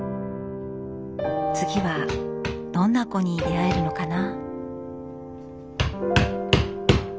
次はどんな子に出会えるのかな？